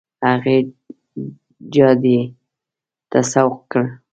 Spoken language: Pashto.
هغې جادې ته سوق کړل.